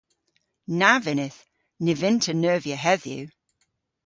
Na vynnydh. Ny vynn'ta neuvya hedhyw.